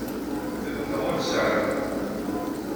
Tagella ur tt-sεiɣ.